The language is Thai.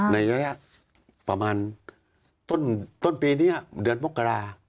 ระยะประมาณต้นปีนี้เดือนมกรา